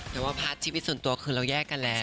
แต่ว่าพาร์ทชีวิตส่วนตัวคือเราแยกกันแล้ว